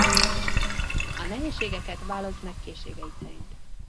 A nehézségeket válaszd meg készségeid szerint.